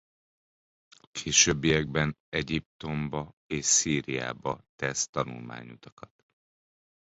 A későbbiekben Egyiptomba és Szíriába tesz tanulmányutakat.